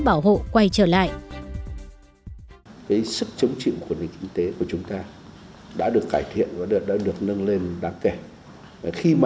bảo hộ quay trở lại